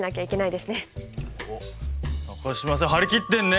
おっ中島さん張り切ってるね。